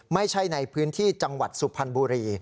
ไม่ใช่ในพื้นที่จังหวัดสุพรรณบุรี